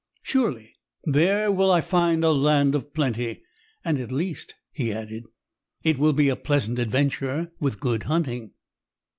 "Surely there will I find a land of plenty. And, at least" he added, "it will be a pleasant adventure with good hunting."